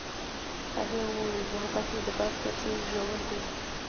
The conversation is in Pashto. هغې وویل محبت یې د باد په څېر ژور دی.